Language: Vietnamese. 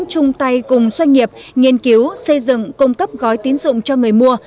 chung tay cùng doanh nghiệp nghiên cứu xây dựng cung cấp gói tín dụng cho người mua